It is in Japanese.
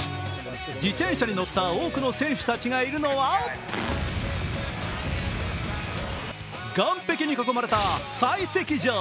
自転車に乗った多くの選手たちがいるのは岸壁に囲まれた採石場。